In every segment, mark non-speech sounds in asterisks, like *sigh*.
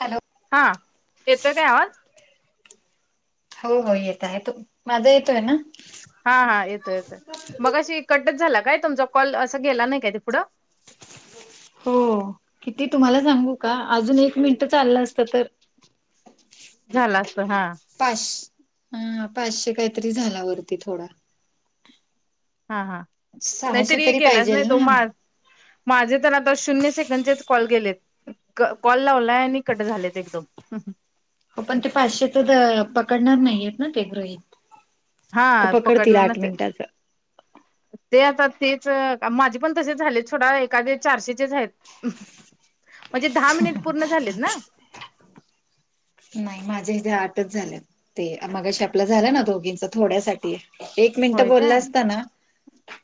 Hello. हा येतोय काय आवाज. हो हो येत आहे तो माझा येतोय ना हा हा येतो येतोय मगाशी कटच झाला काय तुमचा कॉलशी असं गेला नाही काय ते पुढं हो किती तुम्हाला सांगू का अजून एक मिनट चाललं असतं तर झाला असंत हा पाचश ह पाचशे काहीतरी झाला वरती थोडा हा हा सहाशे नाहीतरी तरी गेलाच नाही पाहिजेल तो ना माझ माझे तर आता शून्य सेकंडचेच कॉल केलेत क कॉल लावलाय आणि कट झालेत एकदम हुम हु हो पण ते पाचशे तर पकडणार नाहीयेत ना ते गृहित. का हा पकडतील पकडणार आठ नसते मिनिटाच ते आता तेच अ माझे पण तसे झाले सोडा एखादे चारशेचेच आहेत म्हणजे दहा मिनिट पूर्ण झालेत ना. नाही माझे जे आठच झाले ते मगशी आपलं झालं ना दोघींच थोड्यासाठी एक मिनिट होय बोलला काय असता ना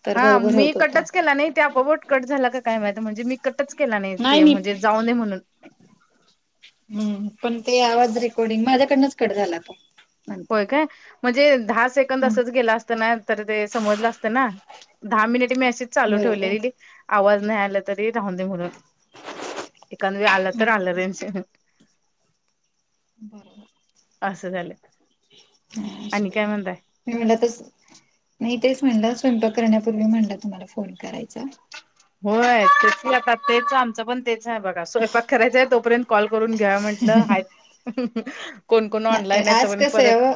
तर हा बरोबर मी होत होत कटच केला नाही ते आपोआप कट झाला काय माह म्हणजे मीप कटच केला नाही ते म्हणजे जाऊ ने म्हणून हम् पण ते आवाज रेकॉर्डिंग माझ्याकडनच कट झाला तो नंतर होय काय म्हणजे दहा सेकंद असंच हम्म गेला असत ना तर ते समजलं असतं ना दहा मिनिट मी असे चालू बरोबर. ठेवलेली आवाज नाही आला चा तरी राहून दे म्हणून एकादं वेळी आलं तर आलं रेज बरोबर असं झालं हज आणि काय म्हणताय *inaudible* मी म्हणलं तस नाही तेच म्हणलं स्वयंपाक करण्यापूर्वी म्हणलं तुम्हाला फोन करायचा होय तेच की आता तेच आमचं पण तेच आहे बघ स्वयंपाक करायच आहे तोपर्यंत कॉल करून घ्या म्हटलं हा हु हु कोण कोण नाही ऑनलाईन येत आज पण कसं आहे परत ओ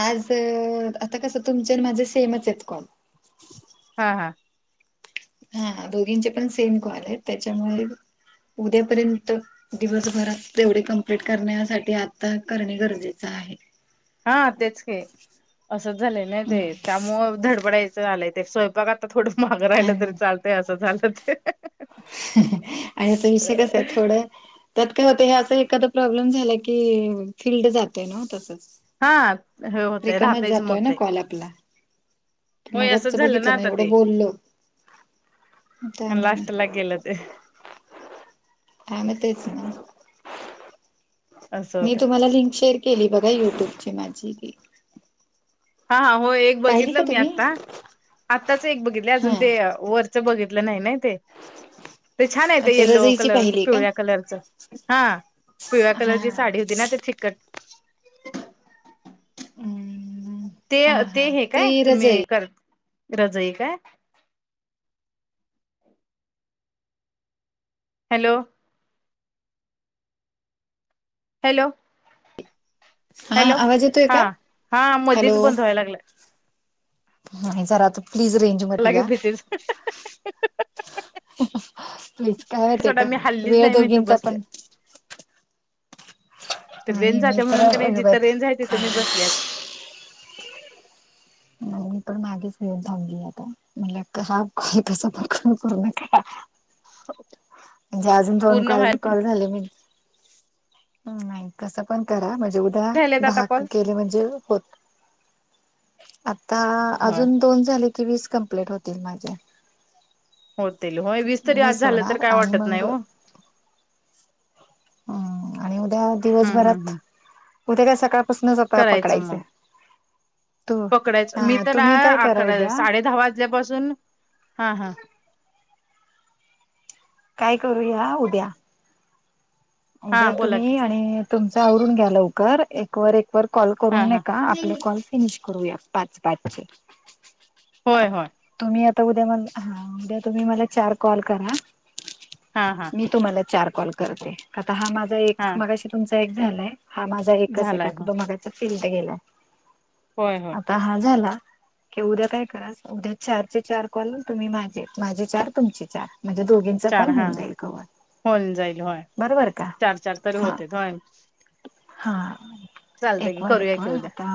आज आता कसं तुमच्या माझे सेमच आहेत काॅल हा हा हा दोघींचे पण सेम काॅल आहेत त्याच्यामुळे उद्यापर्यंत दिवसभरात तेवढे कंप्लीट करण्यासाठी आता करणे गरजेच आहे. हा तेच की असंच झालंय ना ते हम्म त्यामुळ धडपडायचं आलंय ते स्वयंपाक आता थोडं महाग राहिलं तरी आणि चालतंय असं झालं ते ह ह ं हु हु आणि विषय कस आहे थोडं त्यात काय होतं हे असा एखादा प्रॉब्लेम झाला की फिल्ड जातय नव त्याच हा हे होतेय राहतायच मग ते ल आपला होय असंच मगच झालं बघितलं ना आता एवढं ते बोललो त्यामुळे लास्टला गेलं ते आ म तेच ना असं मी होतं तुम्हाला लिंक शेअर केली बघा युट्यूबची माझी की हा हो एक पाहिली बघितलं का मी तुम्ही आत्ता आत्ताच एक बघितले हा अजून ते वरचं बघितलं नाही नाही ते ते छान आहे ते अच्छा येल्लो रजईची कलरच पाहिली का पिवळ्या कलरचं हा पिळ्या हा कलरची साडी होती ना ते चिकट हम्म ते हा ते हा हे काय ते तुम्ही रजई कर रजई काय हॅलो. हॅलो. हा हॅलो, आवाज येतोय हा का हा मधीच हॅलो बंद व्हायलागलाय. नाही जरा तर प्लीज रिंग लगे भीतीस. प्लीज काय होते सोडा का, मी हल्लीच वेळ नाही मी इथं दोघींचा बसले पण *inaudible* तिथं रेंज नाही मी जात्या म्हणून कणी, तर जिथं रेंज हाय तिथं मी थांब बसल्याच. म मी पण मागेच येऊन थांबली आता *unintelligible* म्हणजे अजून दोन पूर्ण व्हाय काल कॉल झाले मी नाही कसं पण करा, म्हणजे उद्या झालेत आता दहा कॉल? केले म्हणजे होत आता होय. अजून दोन झाले की, वीस कंप्लीट होतील माझे. होतील. होय वीस तरी आज झालं तर होणार काय आणि वाटत नाही मग ओ. हम्म आणि उद्या हम्म हम्म दिवसभरात, हम्म. उद्या काय सकाळपासूनच आता करायचं पकडायच. मग पकडायचं. मी तर तुम्ही काय करा अकरा उद्या साडे दहा वाजल्यापासून, हा हां काय करूया उद्या हा उद्या बोला की तुम्ही आणि तुमच आवरून घ्या लवकर एक वर एक व कॉल हा करून नय हा का, आपले कॉल फिनिश करूया पाच पाचचे. होय होय. तुम्ही आता उद्या म ह, उद्या तुम्ही मला चार कॉल करा. हा हा मी तुम्हाला चार कॉल करते. आता हा माझा हा एक मगाशी तुमचा एक झालाय. हा माझा एकच आहे, झालाय आता हो तो मघाचा फेलड गेलाय. होय होय. आता हा झाला. क उद्या काय करा. उद्या चारचे चार कॉल तुम्ही माझे, माझे चार तुमचे चार म्हणजे दोघी चार हा, होवून जाईल होय. बरोबर का? चार चार तरी हा होतेत होय हा. चालतंय एक की वर करूया एक वर की उद्या आता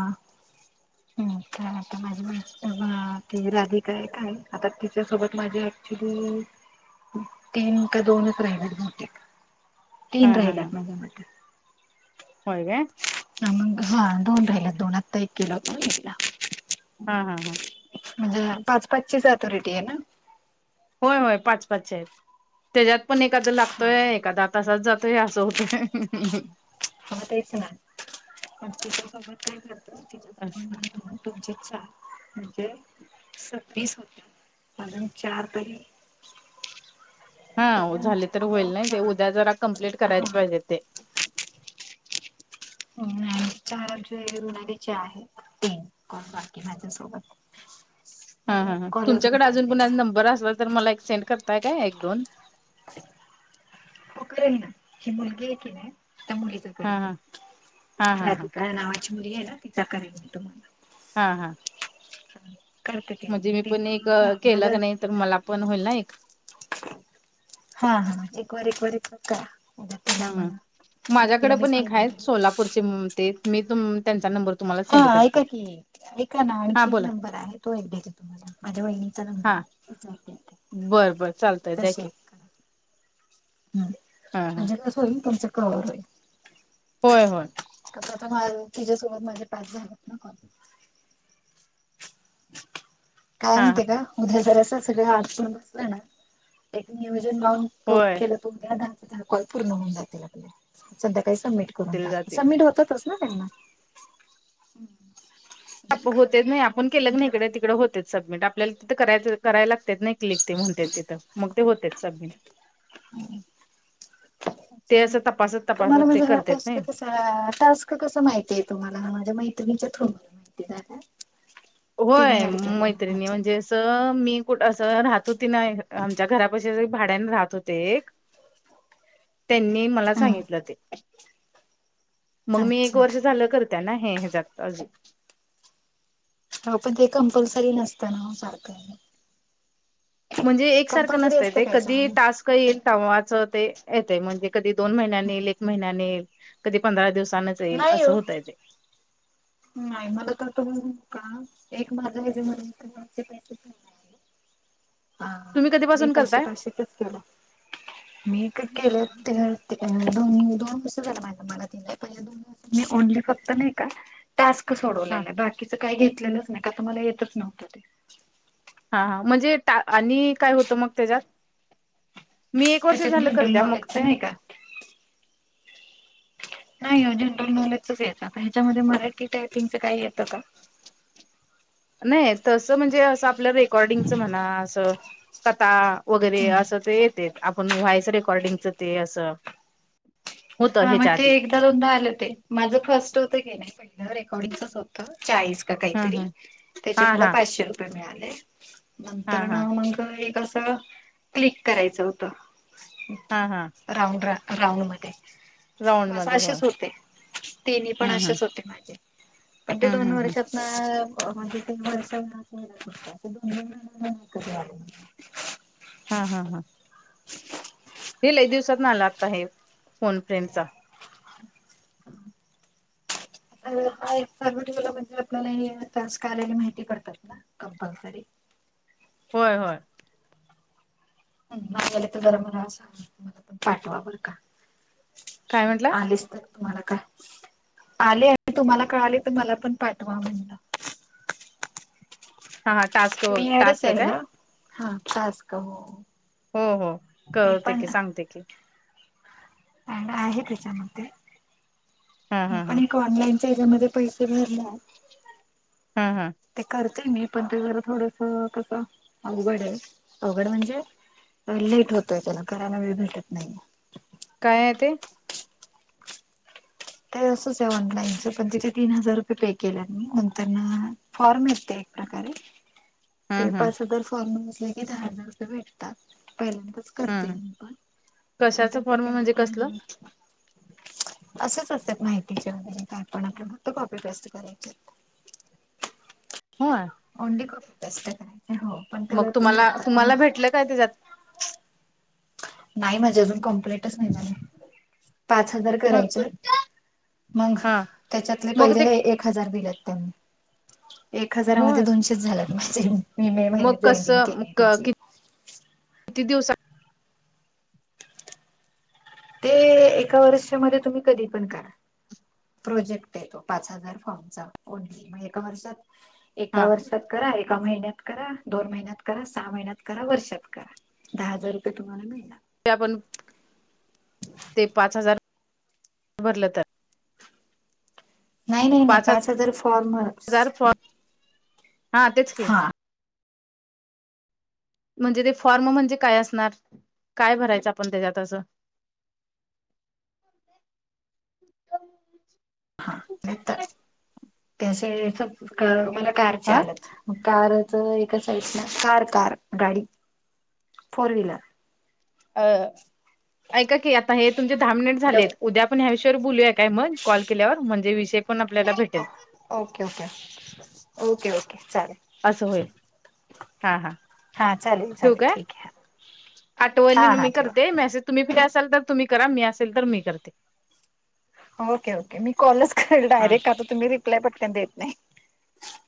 हम्म काय आता माझी मै बा ती राधिका एक हाय, आता तिच्यासोबत माझे अँक्चुली, तीन का दोनच राहिलेत बहुतेक. तीन हा हा हा राहिल्यात माझ्या मते. होय काय? ह मग हा दोन राहिल्यात दोन, आत्ता एक केला होता मी तिला. हा हा हा. म्हणजे पाच पाचचीच अथॉरिटी आहे ना? होय होय पाच पाचची आहेत. त्याच्यात पण एखादां हा लागतोय एखादा तसाच जातोय असं होतंय. हो तेच ना *unintelligible* अस तुमचे चार म्हणजे सव्वीस होत्, अजून चार तरी *inaudible* हा अजून झाले तर होईल नई ते, चार उद्या जरा कम्प्लीट करायच हा पाहिजे ते. आणि चार जे ऋणाली चे आहेत, तीन कॉल बाकी माझ्यासोबत. *inaudible* हा हा हा कॉल तुमच्याकडे अजून पाहिजे कोण नंबर असला तर, मला एक सेंड करताय काय एक दोन? हो करेन ना. ही मुलगी आहे की नाही त्या मुलीच हा ते हा हा हा हा राधिका नावाची मुलगी आहे ना, तीचा करेन मी तुम्हाला. हा हा. *inaudible* ति म्हणजे मग मी पण एक तिला माझ केलं कणी, तर मला पण होईल ना एक. हा हा एक वर एक वर एक करा. उद्या तिला हम्म हम्म. मला तिला माझ्याकडे मी पण एक सांगून आहेत, ठेवेन सोलापूरचे ते मी तु त्यांचा नंबर तुम्हाला हा सेंड करते ऐका की ऐका ना हा आणखी एक बोला नंबर आहे, तो एक देते. माझ्या वाहिनीचा नंबर आहे *unintelligible* बर बरं, चालतंय द्या की. हम्म हा हा म्हणजे कस होईल, तुमच कवर होईल. होय होय. कसं आता माझ, तिच्या्सोबत माझे पाच झालेत ना कॉल. काय हा हा म्हणते ग. उद्या जरासं सगळं आडकुन बसलं ना, एक नियोजन लाऊन कवर होय केलं तर उद्या दहा च्या दहा कॉल पूर्ण होऊन जातील आपले. संध्याकाळी सबमिट करून दिले टाक. जातील सबमिट होत्यातच ना त्यांना. *unintelligible* केल कणी, इकडे तिकडे होत्यात सबमिट आप आपल्याला तिथं करायच करायला लागत्यात नाही क्लिक ते म्हणतय तिथं, मग ते होत्यात सबमिट. *inaudible* ते अ् असं तपासत तुम्हाला तपासत ते म्हणजे *unintelligible* करतेत कस. नाही अ- टास्क कस माहिती आहे तुम्हाला? माझ्या मैत्रिणीच्या थ्रू *unintelligible* होय. तिने ऍड केलं मला मैत्रिणी म्हणजे ह्याच्यात अस, मी कुठ अस राहतो ती नाही आमच्या घराप भाड्याने राहत होते एक त्यांनी मला हम्म. सांगितलं ते. मग मी एक अच्छा वर्ष झालं करत्या ना हे ह्याच्यात अजून. हो पण ते कंपल्सरी नसतं ना सारख. म्हणजे एकसारखं कंपल्सरी नसतंय असतं ते काय कधी चालू टास्क येईल तवाच ते येतेय. म्हणजे कधी दोन महिन्याने येईल, एक महिन्याने येईल, कधी पंधरा दिवस वसानच येईल नाही असं ओ होतय ते. नाही मला तर तु का, एक माझा हजे म्हचे माझे पैसे हा. तुम्ही मी कधीपासून पाशे करताय पाशेचच केलो. मी का केलं ते ते दोन् दोन कस झालं माहि मला ते लई पहिले दोन मी ओनली फक्त नाही का टास्क हा सोडवलेलं आहे. बाकीचं काही घेतलेलंच नाही का, तुम्हाला येतच नव्हतं ते? हा हा म्हणजे टा आणि काय होतं मग तेज्यात? मी एक वर्ष त्याच्यात झालं जनरल करत्या मग नॉलेजच ते नाही का नाही हो जनरल नॉलेजचच येता. ह्याच्यामध्ये मराठी टायपिंगच काही येतं का? नाही तस म्हणजे असं आपलं रेकॉर्डिंगच म्हणा, असं तता, वगैरे हम्म असं ते येतेत आपण व्हॉइस रेकॉर्डिंगचं ते असं. होतं हा मग ह्याच्या ते आधी एकदा दोनदा आल ते. माझं फर्स्ट होतं क नई पहिलं, रेकॉर्डिंगचच हो त चाळीस का हा काहीतरी, हा त्याचे हा मला हा पाचशे रुपये मिळाले. हा नंतर न हा मग एक असं, क्लिक करायचं होत हा हा. राऊंडरा, राऊंड मध्ये. राऊंड बस मध्ये होय असेच होते. तिनि पण हम् हम असेच होते माझे, पण ते दोन हम् हम वर्षात *unintelligible* म्हणजे ते वर्षभरातंन *unintelligible* हा हा हा. *inaudible* हे लई दिवसातन आला आत्ता हे, फोन फ्रेंडचा. अ एक चालू ठेवलं म्हणजे आपल्याला हे टास्क आलेले, माहिती पडतात ना. कंपलसरी. होय होय. नाय गेलं तर बर मणा असं. मला पण पाठवा बर का? काय म्हटला? आलेच तर तुम्हाला काय आले, आणि तुम्हाला कळाले तर मला पण पाठवा म्हणलं. हा, हा टास्क मी ऍड टास्क असाल काय ना. हा टास्क हो. हो, हो. मी कळवते पण की, सांगते की. ऍड आहे त्याच्यामध्ये. हा मी हा हा पण एक ऑनलाईनच्या याच्यामध्ये पैसे भरल्यात. हं, हं. ते करते मी. पण ते जर थोडस कसं अवघडय. अवघड म्हणजे लेट होतोय त्याला. करायला वेळ भेटत नाही. काय आहे ते? ते असंच आहे ऑनलाईनचं. पण तिथे तीन हजार रुपये पे केल्यात मी. नंतरन फॉर्म *unintelligible* एक प्रकारे. ते हम् हम् पाच हजार फॉर्म असले की, दहा हजार रुपये भेटतात. पहिल्यांदाच. हम् करते मी पण. पण कशाच फॉर्म म्हणजे कसलं त्यांचा *unintelligible* असच असतं. माहिती च्या वगेरे काय पण आपल्या. फक्त कॉपी पेस्ट करायचेत. होय. ओन्ली कॉपी पेस्ट करायची. हो, पण मग कलर पण तुम्हाला जातात ना. तुम्हाला भेटलं काय त्याज्यात? नाही माझे अजून, कंप्लेंटच नाही झाले. पाच हजार करायचे. मग, हा त्याच्यातले मग पहिले ते हे एक एक हजार दिलेत त्यांनी. एक हजारामध्ये, होय दोनशेच झाल्यात माझे. मी मे मग महिन्यात जॉईनिंग कसं केलीय त्याची. किती दिवस ते एका वर्षमध्ये तुम्ही, कधी पण करा. प्रोजेक्टय तो, पाच हजार फॉर्मचा. *unintelligible* एका वर्षात एका हा वर्षात करा, एका महिन्यात करा, दोन महिन्यात करा, सहा महिन्यात करा, वर्षात करा. दहा हजार रुपये तुम्हाला मिळनार. ते आपण, ते पाच हजार, भरलं तर. नाही, नाही, नाही. पाच हजार फॉर्म. हजार फॉर्म हा, तेच की. हा म्हणजे ते फॉर्म म्हणजे काय असणार? काय भरायचं आपण त्याच्यात असं? *inaudible* *unintelligible* त्या असे *unintelligible* मला कारचे हा आलेत. कारच एका साइडला, कार, कार. गाडी, फोर व्हीलर. अ ऐका की, आता हे तुमचे दहा मिनिट ठेवू झालेत. उद्या आपण ह्या विषयावर बोलूया काय मग? कॉल केल्यावर, म्हणजे विषय पण आपल्याला भेटेल. Okay, okay. Okay, okay. चालेल. असं होयल. हा, हा. हा चालेल ठेऊ चालेल का? ठीक आहे हा आठवनीन हा मी ठेवा करते, मैसे तुम्ही फ्री असाल, तर तुम्ही करा. मी असेल, तर मी करते. Okay, okay. मी कॉलच करेल हां. डायरेक्ट आता. तुम्ही रिप्लाय पटकन देत नाही.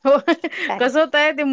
हो *unintelligible* चालेल. कसं होतय, ते मु